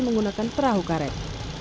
menggunakan perahu karet